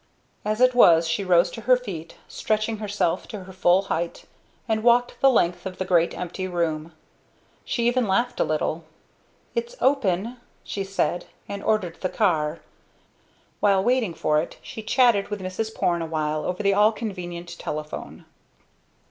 As it was she rose to her feet, stretching herself to her full height, and walked the length of the great empty room. She even laughed a little. "It's open!" said she, and ordered the car. While waiting for it she chatted with Mrs. Porne awhile over the all convenient telephone.